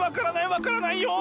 分からないよ！